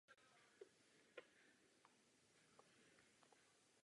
Rozkládá se asi čtyři kilometry západně od Mladé Boleslavi.